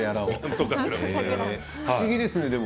不思議ですね。